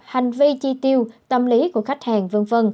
hành vi chi tiêu tâm lý của khách hàng v v